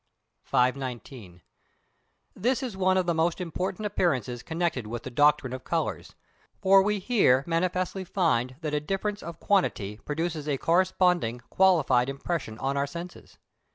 519. This is one of the most important appearances connected with the doctrine of colours, for we here manifestly find that a difference of quantity produces a corresponding qualified impression on our senses.